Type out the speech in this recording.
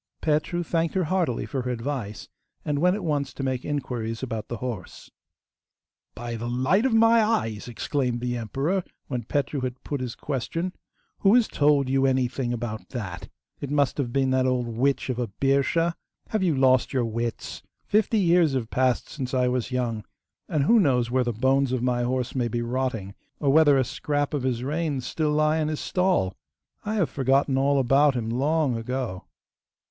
Petru thanked her heartily for her advice, and went at once to make inquiries about the horse. 'By the light of my eyes!' exclaimed the emperor when Petru had put his question. 'Who has told you anything about that? It must have been that old witch of a Birscha? Have you lost your wits? Fifty years have passed since I was young, and who knows where the bones of my horse may be rotting, or whether a scrap of his reins still lie in his stall? I have forgotten all about him long ago.